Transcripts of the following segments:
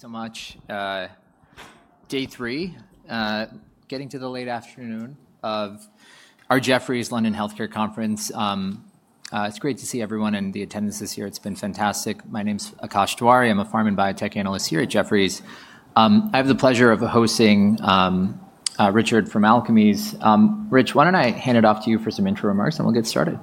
so much. Day three, getting to the late afternoon of our Jefferies London Healthcare Conference. It's great to see everyone and the attendance this year. It's been fantastic. My name's Akash Dewari. I'm a pharma and biotech analyst here at Jefferies. I have the pleasure of hosting Richard from Alkermes. Rich, why don't I hand it off to you for some intro remarks, and we'll get started.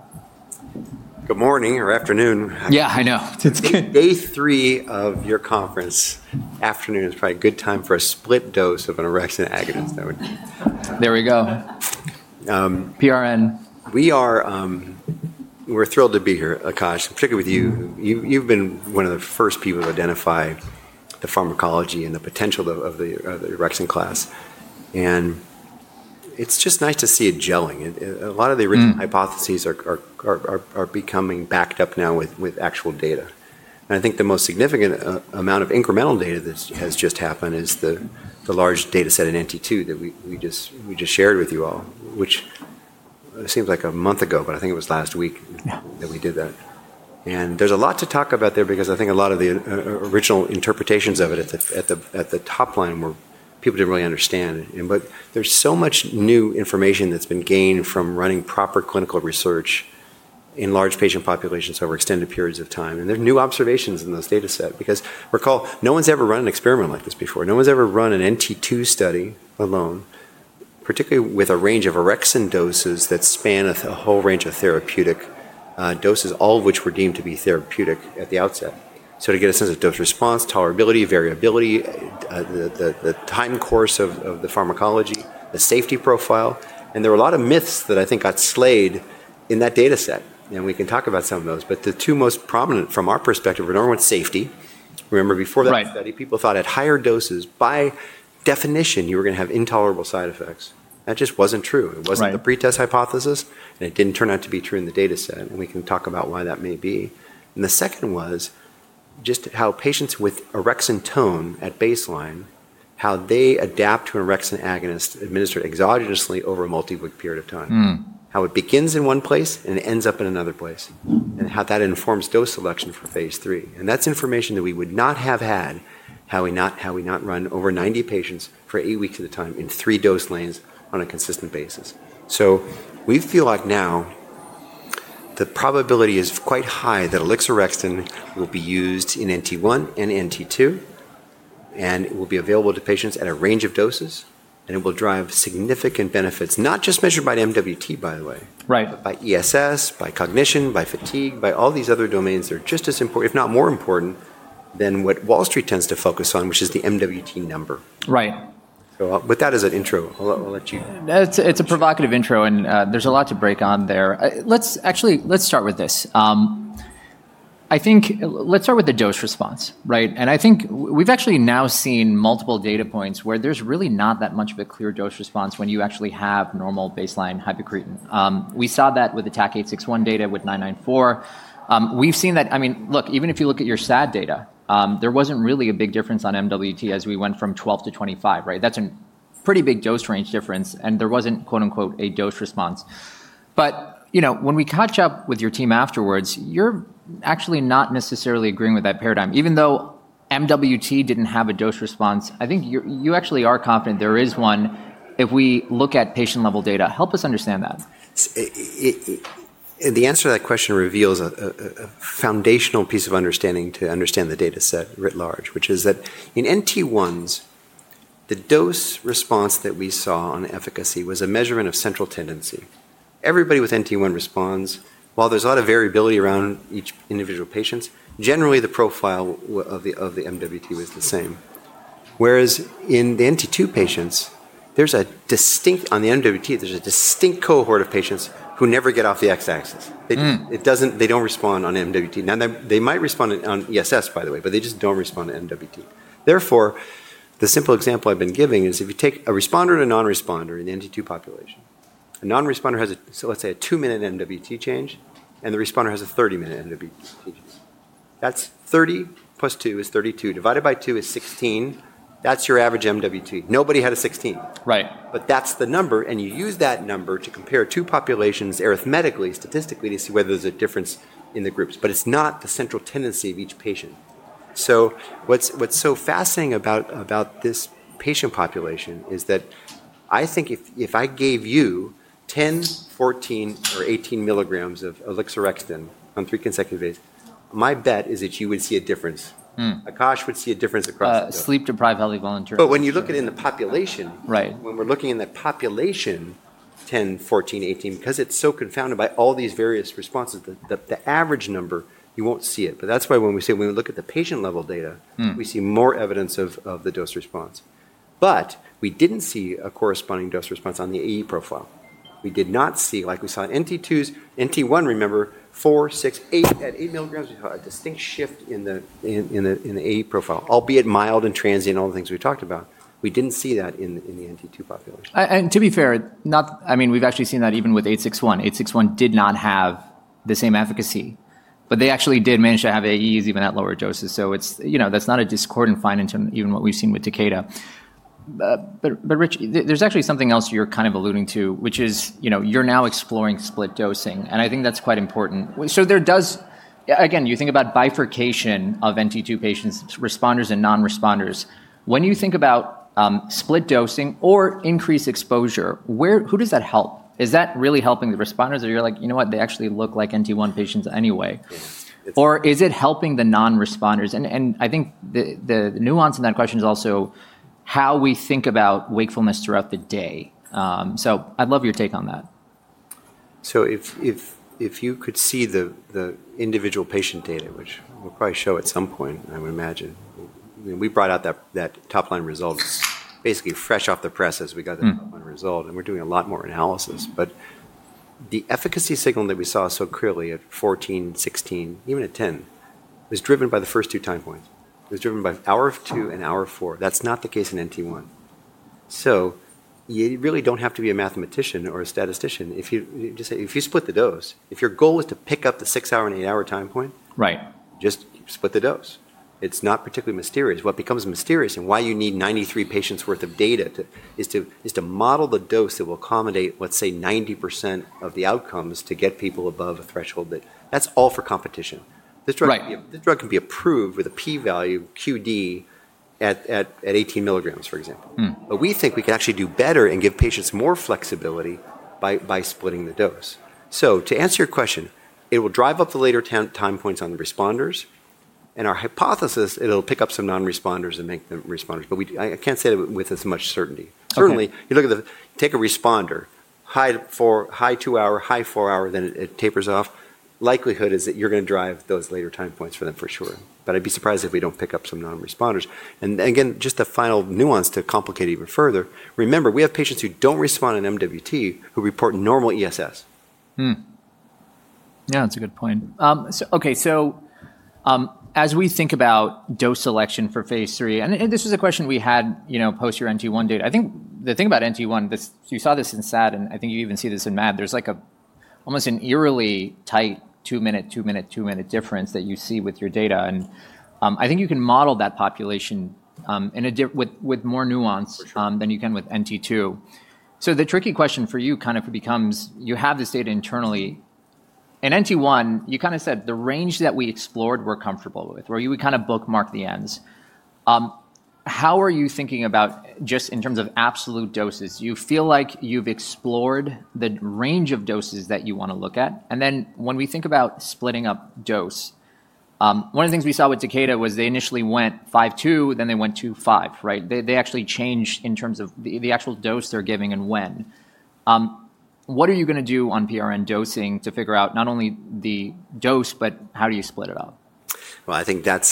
Good morning or afternoon. Yeah, I know. It's good. Day three of your conference afternoon is probably a good time for a split dose of an orexin agonist. There we go. PRN. We are, we're thrilled to be here, Akash, and particularly with you. You've been one of the first people to identify the pharmacology and the potential of the orexin class. It's just nice to see it gelling. A lot of the original hypotheses are becoming backed up now with actual data. I think the most significant amount of incremental data that has just happened is the large data set in NT2 that we just shared with you all, which seems like a month ago, but I think it was last week that we did that. There's a lot to talk about there because I think a lot of the original interpretations of it at the top line were people didn't really understand. There's so much new information that's been gained from running proper clinical research in large patient populations over extended periods of time. There are new observations in those data sets because recall, no one's ever run an experiment like this before. No one's ever run an NT2 study alone, particularly with a range of orexin doses that span a whole range of therapeutic doses, all of which were deemed to be therapeutic at the outset. To get a sense of dose response, tolerability, variability, the time course of the pharmacology, the safety profile. There were a lot of myths that I think got slayed in that data set. We can talk about some of those. The two most prominent from our perspective were normal with safety. Remember before that study, people thought at higher doses, by definition, you were going to have intolerable side effects. That just wasn't true. It wasn't the pretest hypothesis, and it didn't turn out to be true in the data set. We can talk about why that may be. The second was just how patients with orexin tone at baseline, how they adapt to an orexin agonist administered exogenously over a multi-week period of time. How it begins in one place and it ends up in another place, and how that informs dose selection for phase three. That is information that we would not have had had we not run over 90 patients for eight weeks at a time in three dose lanes on a consistent basis. We feel like now the probability is quite high that Alixorexton will be used in NT1 and NT2, and it will be available to patients at a range of doses, and it will drive significant benefits, not just measured by the MWT, by the way, but by ESS, by cognition, by fatigue, by all these other domains that are just as important, if not more important than what Wall Street tends to focus on, which is the MWT number. Right. With that as an intro, I'll let you. It's a provocative intro, and there's a lot to break on there. Let's actually, let's start with this. I think let's start with the dose response, right? And I think we've actually now seen multiple data points where there's really not that much of a clear dose response when you actually have normal baseline hypercretin. We saw that with the TAK-861 data with 994. We've seen that, I mean, look, even if you look at your SAD data, there wasn't really a big difference on MWT as we went from 12 to 25, right? That's a pretty big dose range difference, and there wasn't "a dose response." You know, when we catch up with your team afterwards, you're actually not necessarily agreeing with that paradigm. Even though MWT didn't have a dose response, I think you actually are confident there is one if we look at patient-level data. Help us understand that. The answer to that question reveals a foundational piece of understanding to understand the data set writ large, which is that in NT1s, the dose response that we saw on efficacy was a measurement of central tendency. Everybody with NT1 responds, while there's a lot of variability around each individual patient, generally the profile of the MWT was the same. Whereas in the NT2 patients, there's a distinct, on the MWT, there's a distinct cohort of patients who never get off the X-axis. They don't respond on MWT. Now, they might respond on ESS, by the way, but they just don't respond on MWT. Therefore, the simple example I've been giving is if you take a responder and a non-responder in the NT2 population, a non-responder has a, let's say, a two-minute MWT change, and the responder has a 30-minute MWT change. That's 30 plus 2 is 32. Divided by 2 is 16. That's your average MWT. Nobody had a 16. Right. That's the number, and you use that number to compare two populations arithmetically, statistically, to see whether there's a difference in the groups. It's not the central tendency of each patient. What's so fascinating about this patient population is that I think if I gave you 10, 14, or 18 milligrams of Alixorexton on three consecutive days, my bet is that you would see a difference. Akash would see a difference across the board. Sleep-deprived, healthy volunteers. When you look at it in the population, when we're looking in the population, 10, 14, 18, because it's so confounded by all these various responses, the average number, you won't see it. That's why when we say when we look at the patient-level data, we see more evidence of the dose response. We didn't see a corresponding dose response on the AE profile. We did not see, like we saw in NT2s, NT1, remember, four, six, eight, at 8 mg, we saw a distinct shift in the AE profile, albeit mild and transient, all the things we talked about. We didn't see that in the NT2 population. To be fair, not, I mean, we've actually seen that even with 861. 861 did not have the same efficacy, but they actually did manage to have AEs even at lower doses. It is, you know, that's not a discordant finding to even what we've seen with Takeda. Rich, there's actually something else you're kind of alluding to, which is, you know, you're now exploring split dosing, and I think that's quite important. There does, again, you think about bifurcation of NT2 patients, responders and non-responders. When you think about split dosing or increased exposure, who does that help? Is that really helping the responders or you're like, you know what, they actually look like NT1 patients anyway? Or is it helping the non-responders? I think the nuance in that question is also how we think about wakefulness throughout the day. I'd love your take on that. If you could see the individual patient data, which we'll probably show at some point, I would imagine, we brought out that top-line result basically fresh off the press as we got the top-line result, and we're doing a lot more analysis. The efficacy signal that we saw so clearly at 14, 16, even at 10, was driven by the first two time points. It was driven by hour two and hour four. That's not the case in NT1. You really don't have to be a mathematician or a statistician. If you split the dose, if your goal is to pick up the six-hour and eight-hour time point, just split the dose. It's not particularly mysterious. What becomes mysterious and why you need 93 patients' worth of data is to model the dose that will accommodate, let's say, 90% of the outcomes to get people above a threshold. That's all for competition. This drug can be approved with a P value QD at 18 milligrams, for example. We think we can actually do better and give patients more flexibility by splitting the dose. To answer your question, it will drive up the later time points on the responders. Our hypothesis, it'll pick up some non-responders and make them responders. I can't say that with as much certainty. Certainly, you look at the, take a responder, high two-hour, high four-hour, then it tapers off. Likelihood is that you're going to drive those later time points for them for sure. I'd be surprised if we don't pick up some non-responders. Just a final nuance to complicate even further. Remember, we have patients who do not respond on MWT who report normal ESS. Yeah, that's a good point. Okay, as we think about dose selection for phase three, and this was a question we had, you know, post your NT1 data. I think the thing about NT1, you saw this in SAD, and I think you even see this in MAD. There's like almost an eerily tight two-minute, two-minute, two-minute difference that you see with your data. I think you can model that population with more nuance than you can with NT2. The tricky question for you kind of becomes, you have this data internally. In NT1, you kind of said the range that we explored we're comfortable with, where you would kind of bookmark the ends. How are you thinking about just in terms of absolute doses? Do you feel like you've explored the range of doses that you want to look at? When we think about splitting up dose, one of the things we saw with Takeda was they initially went five to two, then they went two to five right? They actually changed in terms of the actual dose they're giving and when. What are you going to do on PRN dosing to figure out not only the dose, but how do you split it up? I think that's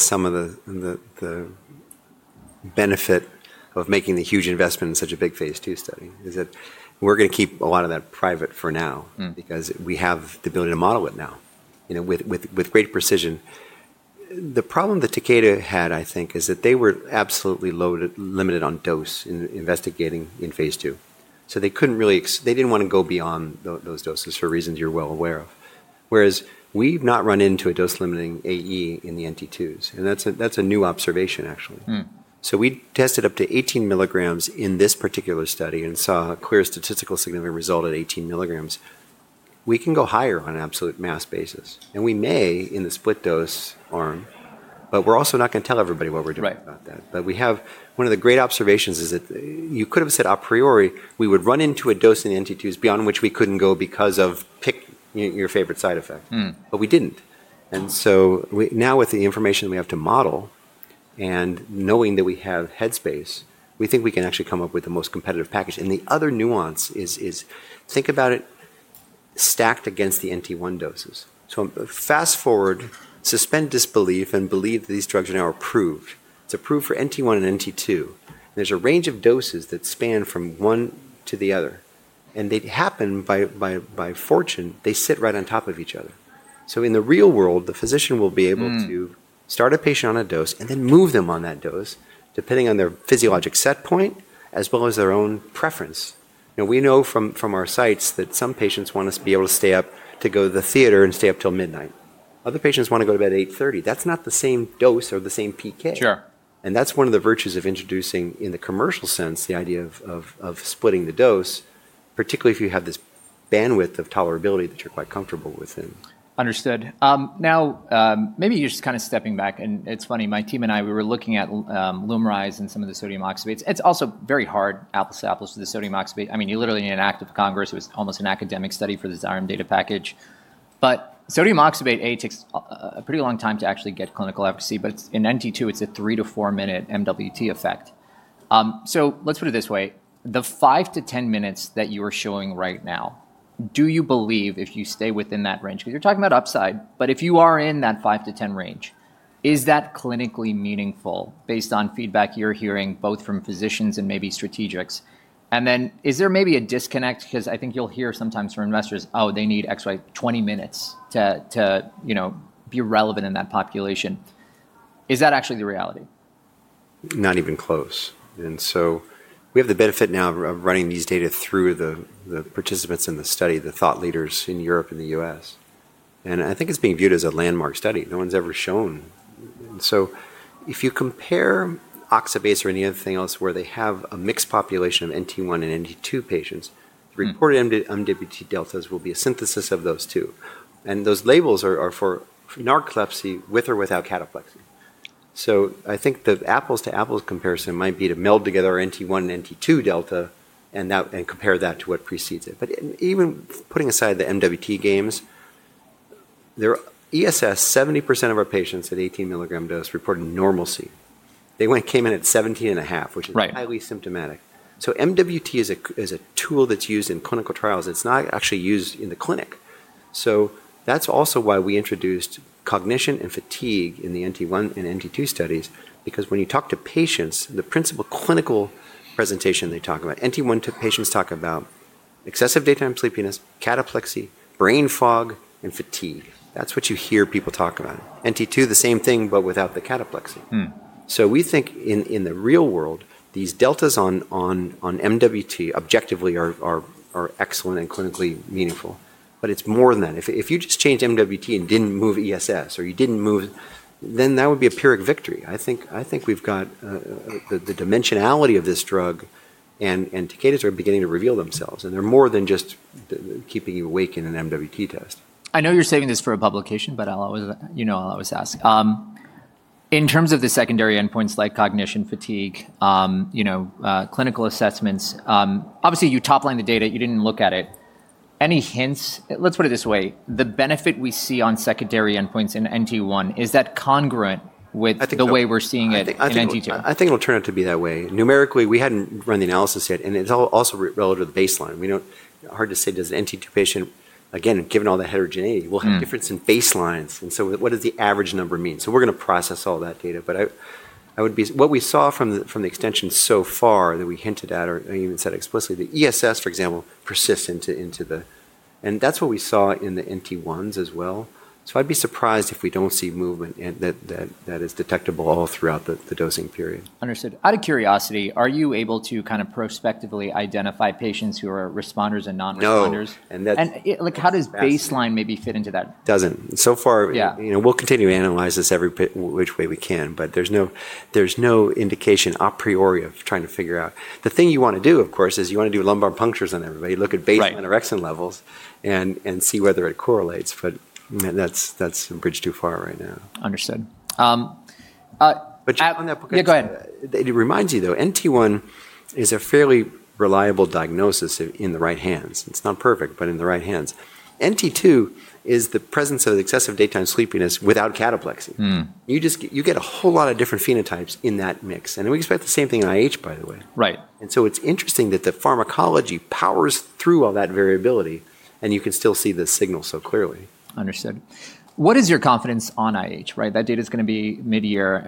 some of the benefit of making the huge investment in such a big phase two study is that we're going to keep a lot of that private for now because we have the ability to model it now with great precision. The problem that Takeda had, I think, is that they were absolutely limited on dose in investigating in phase two. They couldn't really, they didn't want to go beyond those doses for reasons you're well aware of. Whereas we've not run into a dose-limiting AE in the NT2s. That's a new observation, actually. We tested up to 18 milligrams in this particular study and saw a clear statistical significant result at 18 milligrams. We can go higher on an absolute mass basis. We may in the split dose arm, but we're also not going to tell everybody what we're doing about that. One of the great observations is that you could have said a priori, we would run into a dose in the NT2s beyond which we couldn't go because of pick your favorite side effect. We didn't. Now with the information we have to model and knowing that we have headspace, we think we can actually come up with the most competitive package. The other nuance is think about it stacked against the NT1 doses. Fast forward, suspend disbelief and believe that these drugs are now approved. It's approved for NT1 and NT2. There's a range of doses that span from one to the other. They happen by fortune, they sit right on top of each other. In the real world, the physician will be able to start a patient on a dose and then move them on that dose depending on their physiologic set point as well as their own preference. We know from our sites that some patients want us to be able to stay up to go to the theater and stay up till midnight. Other patients want to go to bed at 8:30. That's not the same dose or the same PK. That's one of the virtues of introducing in the commercial sense the idea of splitting the dose, particularly if you have this bandwidth of tolerability that you're quite comfortable within. Understood. Now, maybe you're just kind of stepping back. It's funny, my team and I, we were looking at Lumryz and some of the sodium oxybates. It's also very hard apples to apples to the sodium oxybate. I mean, you literally, in an act of Congress, it was almost an academic study for this RM data package. But sodium oxybate A takes a pretty long time to actually get clinical efficacy. In NT2, it's a three to four-minute MWT effect. Let's put it this way. The five to ten minutes that you are showing right now, do you believe if you stay within that range, because you're talking about upside, if you are in that five to ten range, is that clinically meaningful based on feedback you're hearing both from physicians and maybe strategics? Is there maybe a disconnect? Because I think you'll hear sometimes from investors, "Oh, they need XY 20 minutes to be relevant in that population." Is that actually the reality? Not even close. We have the benefit now of running these data through the participants in the study, the thought leaders in Europe and the US. I think it's being viewed as a landmark study. No one's ever shown. If you compare oxalase or anything else where they have a mixed population of NT1 and NT2 patients, the reported MWT deltas will be a synthesis of those two. Those labels are for narcolepsy with or without cataplexy. I think the apples to apples comparison might be to meld together NT1 and NT2 delta and compare that to what precedes it. Even putting aside the MWT gains, there are ESS, 70% of our patients at 18 milligram dose reported normalcy. They came in at 17.5, which is highly symptomatic. MWT is a tool that's used in clinical trials. It's not actually used in the clinic. That's also why we introduced cognition and fatigue in the NT1 and NT2 studies, because when you talk to patients, the principal clinical presentation they talk about, NT1 patients talk about excessive daytime sleepiness, cataplexy, brain fog, and fatigue. That's what you hear people talk about. NT2, the same thing, but without the cataplexy. We think in the real world, these deltas on MWT objectively are excellent and clinically meaningful. It's more than that. If you just changed MWT and didn't move ESS or you didn't move, then that would be a Pyrrhic victory. I think we've got the dimensionality of this drug and Takeda's are beginning to reveal themselves. They're more than just keeping you awake in an MWT test. I know you're saving this for a publication, but I'll always ask. In terms of the secondary endpoints like cognition, fatigue, clinical assessments, obviously you toplined the data, you didn't look at it. Any hints? Let's put it this way. The benefit we see on secondary endpoints in NT1, is that congruent with the way we're seeing it in NT2? I think it'll turn out to be that way. Numerically, we hadn't run the analysis yet, and it's also relative to the baseline. Hard to say does an NT2 patient, again, given all the heterogeneity, we'll have difference in baselines. What does the average number mean? We are going to process all that data. I would be what we saw from the extension so far that we hinted at or even said explicitly, the ESS, for example, persists into the. That is what we saw in the NT1s as well. I'd be surprised if we don't see movement that is detectable all throughout the dosing period. Understood. Out of curiosity, are you able to kind of prospectively identify patients who are responders and non-responders? No. How does baseline maybe fit into that? Doesn't. So far, we'll continue to analyze this every which way we can, but there's no indication a priori of trying to figure out. The thing you want to do, of course, is you want to do lumbar punctures on everybody, look at baseline orexin levels, and see whether it correlates. That's a bridge too far right now. Understood. On that. Yeah, go ahead. It reminds you though, NT1 is a fairly reliable diagnosis in the right hands. It's not perfect, but in the right hands. NT2 is the presence of excessive daytime sleepiness without cataplexy. You get a whole lot of different phenotypes in that mix. We expect the same thing in IH, by the way. It is interesting that the pharmacology powers through all that variability, and you can still see the signal so clearly. Understood. What is your confidence on IH, right? That data is going to be mid-year.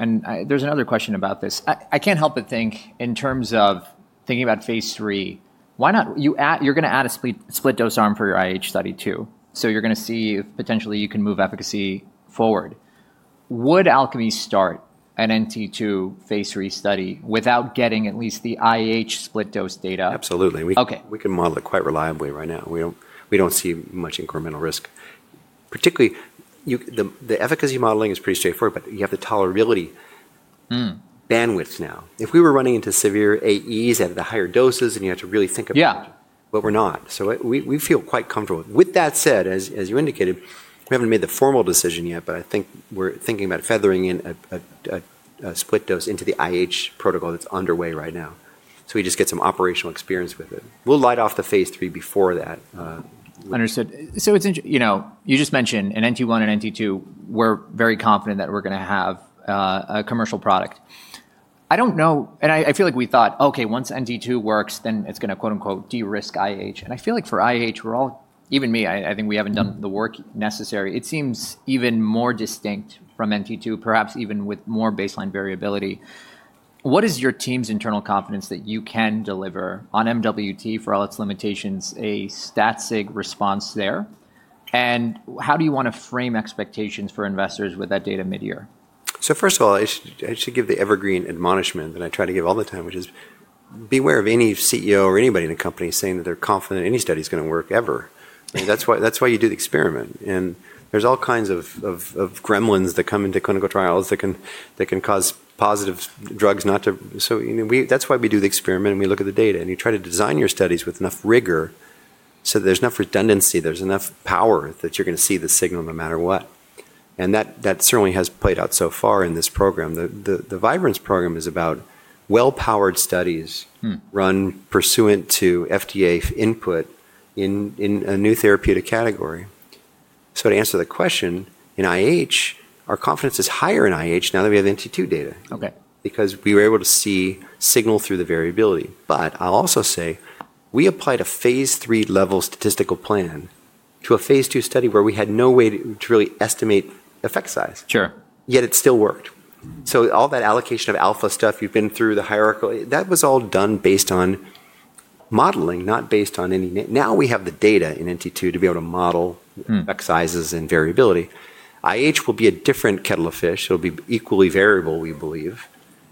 There is another question about this. I can't help but think in terms of thinking about phase three, why not you're going to add a split dose arm for your IH study too. You are going to see if potentially you can move efficacy forward. Would Alkermes start a NT2 phase three study without getting at least the IH split dose data? Absolutely. We can model it quite reliably right now. We do not see much incremental risk. Particularly, the efficacy modeling is pretty straightforward, but you have the tolerability bandwidth now. If we were running into severe AEs at the higher doses, and you had to really think about it, but we are not. So we feel quite comfortable. With that said, as you indicated, we have not made the formal decision yet, but I think we are thinking about feathering in a split dose into the IH protocol that is underway right now. So we just get some operational experience with it. We will light off the phase three before that. Understood. You just mentioned in NT1 and NT2, we're very confident that we're going to have a commercial product. I don't know, and I feel like we thought, okay, once NT2 works, then it's going to quote unquote de-risk IH. I feel like for IH, we're all, even me, I think we haven't done the work necessary. It seems even more distinct from NT2, perhaps even with more baseline variability. What is your team's internal confidence that you can deliver on MWT for all its limitations, a stat-sig response there? How do you want to frame expectations for investors with that data mid-year? First of all, I should give the evergreen admonishment that I try to give all the time, which is beware of any CEO or anybody in a company saying that they're confident any study is going to work ever. That's why you do the experiment. There are all kinds of gremlins that come into clinical trials that can cause positive drugs not to. That's why we do the experiment and we look at the data. You try to design your studies with enough rigor so that there's enough redundancy, there's enough power that you're going to see the signal no matter what. That certainly has played out so far in this program. The Vibrance Program is about well-powered studies run pursuant to FDA input in a new therapeutic category. To answer the question, in IH, our confidence is higher in IH now that we have NT2 data. Because we were able to see signal through the variability. I'll also say we applied a phase three level statistical plan to a phase two study where we had no way to really estimate effect size. Yet it still worked. All that allocation of alpha stuff, you've been through the hierarchical, that was all done based on modeling, not based on any name. Now we have the data in NT2 to be able to model effect sizes and variability. IH will be a different kettle of fish. It'll be equally variable, we believe.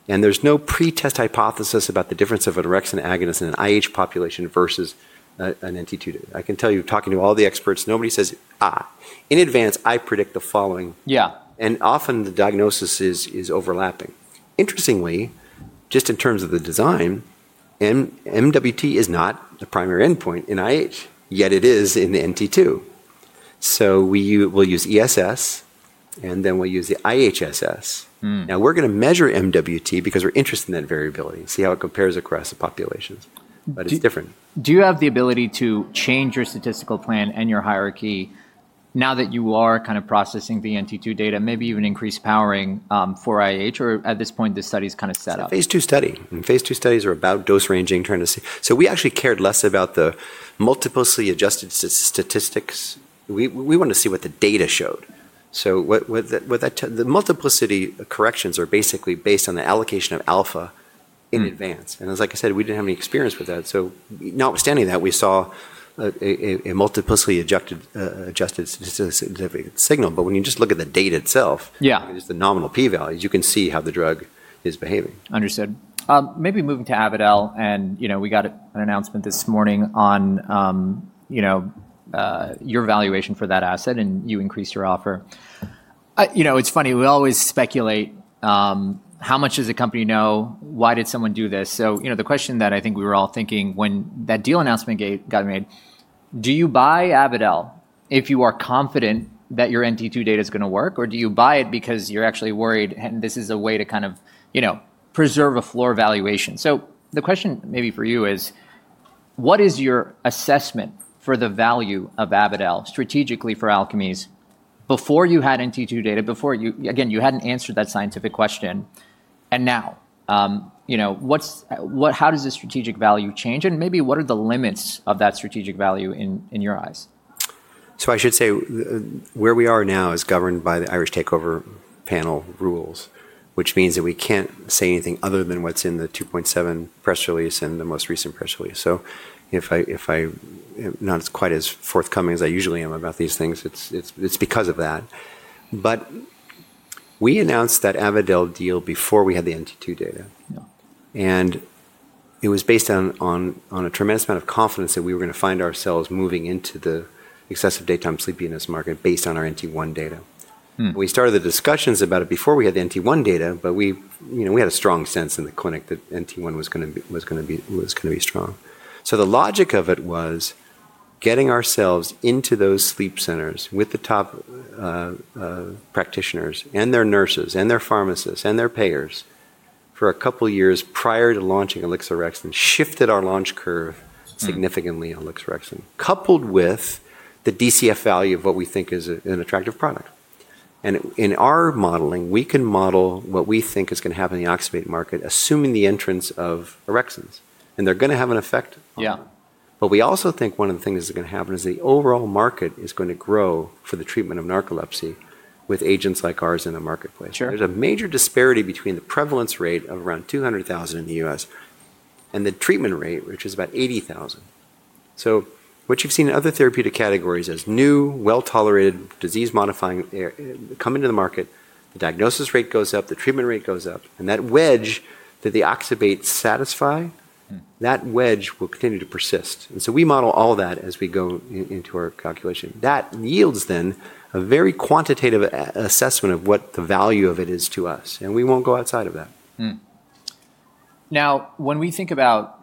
There's no pretest hypothesis about the difference of a direct and agonist in an IH population versus an NT2. I can tell you talking to all the experts, nobody says, in advance, I predict the following. Yeah. And often the diagnosis is overlapping. Interestingly, just in terms of the design, MWT is not the primary endpoint in IH, yet it is in NT2. We will use ESS, and then we'll use the IHSS. Now we're going to measure MWT because we're interested in that variability, see how it compares across the populations. It is different. Do you have the ability to change your statistical plan and your hierarchy now that you are kind of processing the NT2 data, maybe even increase powering for IH, or at this point the study is kind of set up? It's a phase two study. Phase two studies are about dose ranging, trying to see. We actually cared less about the multiplicity adjusted statistics. We wanted to see what the data showed. The multiplicity corrections are basically based on the allocation of alpha in advance. As I said, we didn't have any experience with that. Notwithstanding that, we saw a multiplicity adjusted statistically significant signal. When you just look at the data itself, just the nominal P values, you can see how the drug is behaving. Understood. Maybe moving to Avidel. We got an announcement this morning on your valuation for that asset, and you increased your offer. You know, it's funny, we always speculate. How much does a company know? Why did someone do this? The question that I think we were all thinking when that deal announcement got made, do you buy Avidel if you are confident that your NT2 data is going to work, or do you buy it because you're actually worried, and this is a way to kind of preserve a floor valuation? The question maybe for you is, what is your assessment for the value of Avidel strategically for Alkermes before you had NT2 data? Before you, again, you hadn't answered that scientific question. Now, how does the strategic value change? Maybe what are the limits of that strategic value in your eyes? I should say where we are now is governed by the Irish takeover panel rules, which means that we can't say anything other than what's in the 2.7 press release and the most recent press release. If I'm not quite as forthcoming as I usually am about these things, it's because of that. We announced that Avidel deal before we had the NT2 data. It was based on a tremendous amount of confidence that we were going to find ourselves moving into the excessive daytime sleepiness market based on our NT1 data. We started the discussions about it before we had the NT1 data, but we had a strong sense in the clinic that NT1 was going to be strong. The logic of it was getting ourselves into those sleep centers with the top practitioners and their nurses and their pharmacists and their payers for a couple of years prior to launching Alixorexton and shifted our launch curve significantly on Alixorexton, coupled with the DCF value of what we think is an attractive product. In our modeling, we can model what we think is going to happen in the oxybate market, assuming the entrance of orexin agonists. They are going to have an effect. We also think one of the things that is going to happen is the overall market is going to grow for the treatment of narcolepsy with agents like ours in the marketplace. There is a major disparity between the prevalence rate of around 200,000 in the U.S. and the treatment rate, which is about 80,000. What you've seen in other therapeutic categories is new, well-tolerated disease modifying come into the market, the diagnosis rate goes up, the treatment rate goes up, and that wedge that the oxybates satisfy, that wedge will continue to persist. We model all that as we go into our calculation. That yields then a very quantitative assessment of what the value of it is to us. We won't go outside of that. Now, when we think about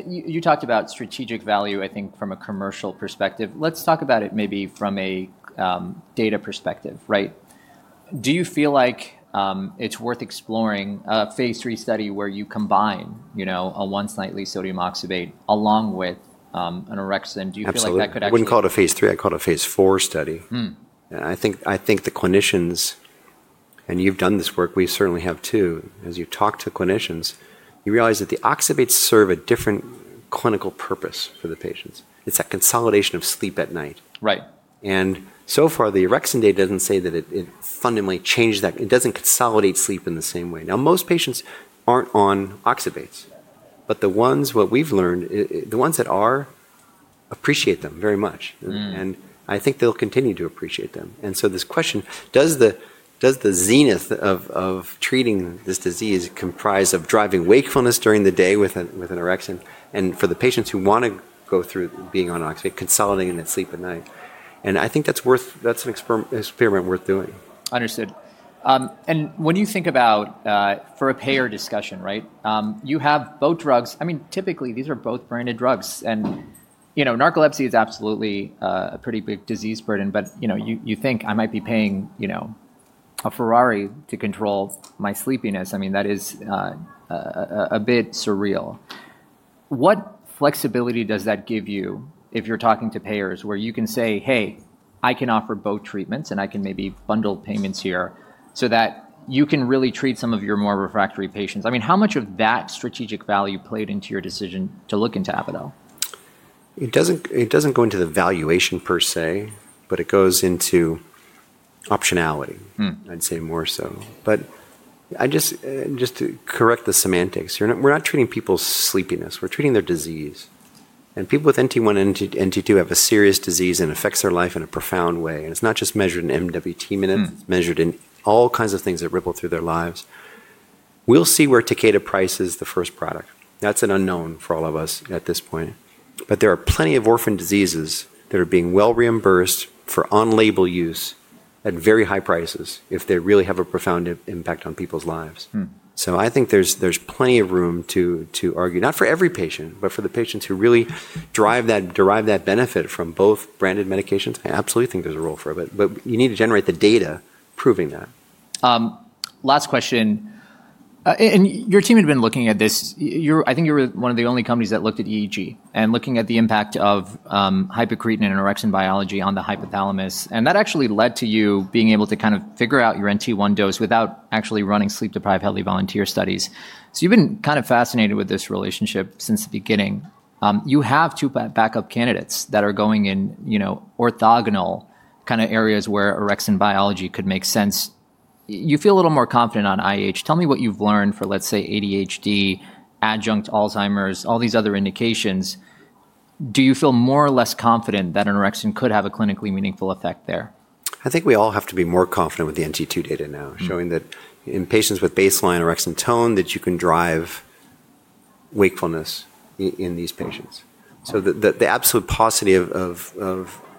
you talked about strategic value, I think from a commercial perspective. Let's talk about it maybe from a data perspective, right? Do you feel like it's worth exploring a phase three study where you combine a once-nightly sodium oxybate along with an orexin? Do you feel like that could actually? When we call it a phase three, I call it a phase four study. I think the clinicians, and you've done this work, we certainly have too, as you talk to clinicians, you realize that the oxybates serve a different clinical purpose for the patients. It's that consolidation of sleep at night. So far, the orexin data doesn't say that it fundamentally changed that. It doesn't consolidate sleep in the same way. Most patients aren't on oxybates. What we've learned, the ones that are appreciate them very much. I think they'll continue to appreciate them. This question, does the zenith of treating this disease comprise of driving wakefulness during the day with an orexin and for the patients who want to go through being on oxybate, consolidating that sleep at night? I think that's an experiment worth doing. Understood. When you think about for a payer discussion, right, you have both drugs. I mean, typically, these are both branded drugs. Narcolepsy is absolutely a pretty big disease burden. You think, I might be paying a Ferrari to control my sleepiness. I mean, that is a bit surreal. What flexibility does that give you if you're talking to payers where you can say, hey, I can offer both treatments and I can maybe bundle payments here so that you can really treat some of your more refractory patients? I mean, how much of that strategic value played into your decision to look into Avidel? It does not go into the valuation per se, but it goes into optionality, I'd say more so. Just to correct the semantics, we are not treating people's sleepiness. We are treating their disease. People with NT1 and NT2 have a serious disease and it affects their life in a profound way. It is not just measured in MWT minutes. It is measured in all kinds of things that ripple through their lives. We will see where Takeda prices the first product. That is an unknown for all of us at this point. There are plenty of orphan diseases that are being well reimbursed for on-label use at very high prices if they really have a profound impact on people's lives. I think there is plenty of room to argue, not for every patient, but for the patients who really derive that benefit from both branded medications. I absolutely think there's a role for it. You need to generate the data proving that. Last question. Your team had been looking at this. I think you were one of the only companies that looked at EEG and looking at the impact of hypercretin and orexin biology on the hypothalamus. That actually led to you being able to kind of figure out your NT1 dose without actually running sleep-deprived healthy volunteer studies. You have been kind of fascinated with this relationship since the beginning. You have two backup candidates that are going in orthogonal kind of areas where orexin biology could make sense. You feel a little more confident on IH. Tell me what you have learned for, let's say, ADHD, adjunct Alzheimer's, all these other indications. Do you feel more or less confident that an orexin could have a clinically meaningful effect there? I think we all have to be more confident with the NT2 data now, showing that in patients with baseline orexin tone, that you can drive wakefulness in these patients. The absolute paucity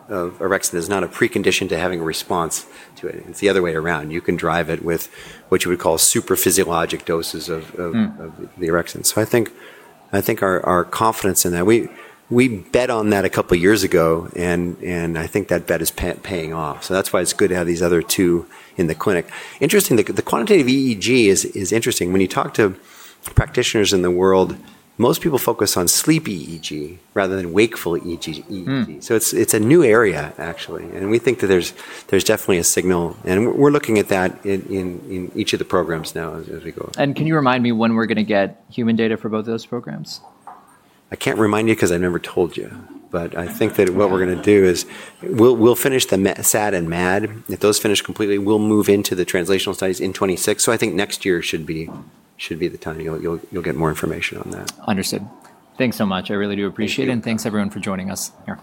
of orexin is not a precondition to having a response to it. It's the other way around. You can drive it with what you would call super physiologic doses of the orexin. I think our confidence in that, we bet on that a couple of years ago, and I think that bet is paying off. That's why it's good to have these other two in the clinic. Interesting, the quantitative EEG is interesting. When you talk to practitioners in the world, most people focus on sleep EEG rather than wakeful EEG. It's a new area, actually. We think that there's definitely a signal. We are looking at that in each of the programs now as we go. Can you remind me when we're going to get human data for both of those programs? I can't remind you because I never told you. I think that what we're going to do is we'll finish the SAD and MAD. If those finish completely, we'll move into the translational studies in 2026. I think next year should be the time you'll get more information on that. Understood. Thanks so much. I really do appreciate it. Thanks everyone for joining us here.